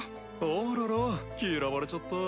あらら嫌われちゃった。